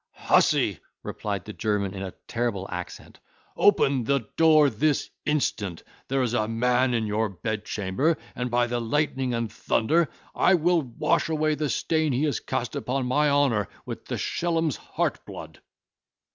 —"Hussy!" replied the German in a terrible accent, "open the door this instant; there is a man in your bedchamber, and, by the lightning and thunder! I will wash away the stain he has cast upon my honour with the schellum's heart's blood."